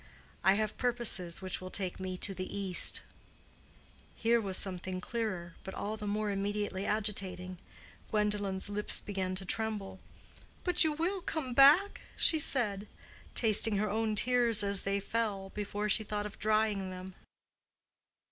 I have purposes which will take me to the East." Here was something clearer, but all the more immediately agitating. Gwendolen's lips began to tremble. "But you will come back?" she said, tasting her own tears as they fell, before she thought of drying them.